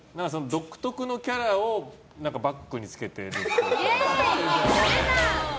独特のキャラをバッグにつけているっぽい。